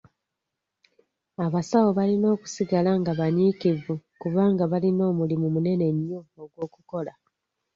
Abasawo balina okusigala nga banyiikivu kubanga balina omulimu munene nnyo ogw'okukola.